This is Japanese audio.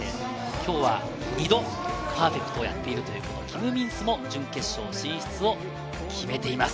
今日は二度パーフェクトやっているというキム・ミンスも準決勝進出を決めています。